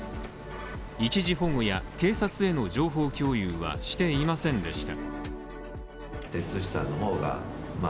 一時保護や警察への情報共有はしていませんでした。